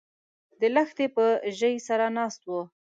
د لښتي په ژۍ سره ناست و